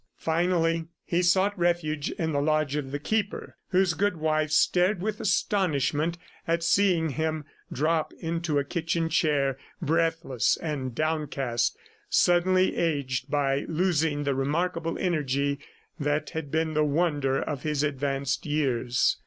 Finally he sought refuge in the lodge of the Keeper, whose good wife stared with astonishment at seeing him drop into a kitchen chair breathless and downcast, suddenly aged by losing the remarkable energy that had been the wonder of his advanced years.